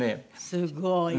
すごい。